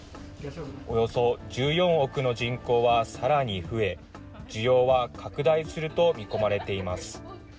およそ１４億の人口はさらに増え、需要は拡大すると見込まれています。